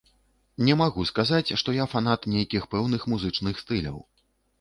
Не магу сказаць, што я фанат нейкіх пэўных музычных стыляў.